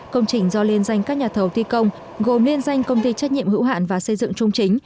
công trình do liên danh các nhà thầu thi công gồm liên danh công ty trách nhiệm hữu hạn và xây dựng trung chính